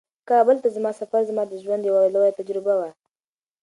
کابل ته زما سفر زما د ژوند یوه لویه تجربه وه.